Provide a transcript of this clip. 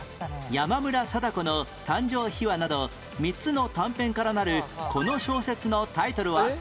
山村貞子の誕生秘話など３つの短編からなるこの小説のタイトルは？